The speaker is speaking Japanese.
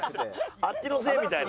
あっちのせいみたいな。